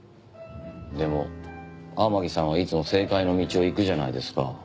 でも天樹さんはいつも正解の道を行くじゃないですか。